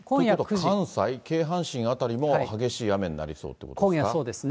ということは関西、京阪神辺りも激しい雨になりそうということですか。